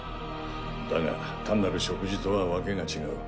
だが単なる植樹とはわけが違う。